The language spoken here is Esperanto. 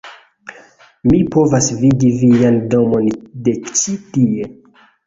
"mi povas vidi vian domon de ĉi-tie!"